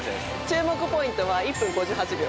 注目ポイントは１分５８秒。